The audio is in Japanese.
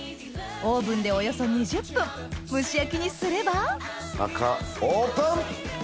オーブンでおよそ２０分蒸し焼きにすればオープン！